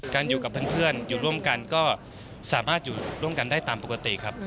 อยู่กับเพื่อนอยู่ร่วมกันก็สามารถอยู่ร่วมกันได้ตามปกติครับ